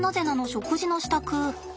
食事の支度。